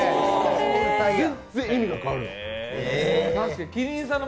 全然、意味が変わるの。